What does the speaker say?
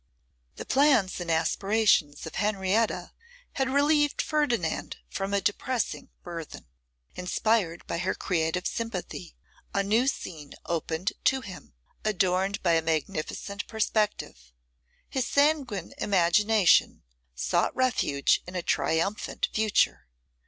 The plans and aspirations of Henrietta had relieved Ferdinand from a depressing burthen. Inspired by her creative sympathy, a new scene opened to him, adorned by a magnificent perspective. His sanguine imagination sought refuge in a triumphant future.